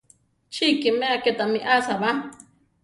¡Chí ikiméa ké támi asába!